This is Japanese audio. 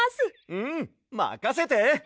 うんまかせて！